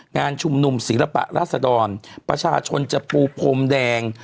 งานชุมนุมศิลปะราษดรประชาชนจะปูพรมแดง